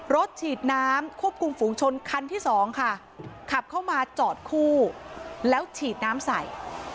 รถฉีดน้ำควบคุมฝูงชนคันที่สองค่ะขับเข้ามาจอดคู่แล้วฉีดน้ำใส่